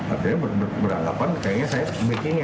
arteria beranggapan kayaknya saya memikirnya